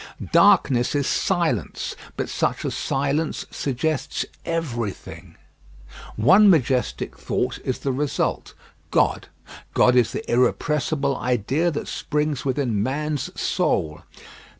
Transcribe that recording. Darkness is silence, but such a silence suggests everything. One majestic thought is the result: God God is the irrepressible idea that springs within man's soul.